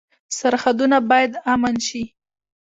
سرحدونه باید امن شي